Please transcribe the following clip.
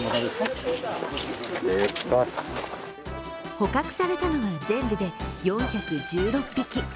捕獲されたのは全部で４１６匹。